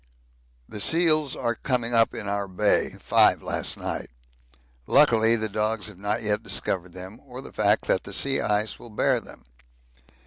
The seals are coming up in our Bay five last night. Luckily the dogs have not yet discovered them or the fact that the sea ice will bear them.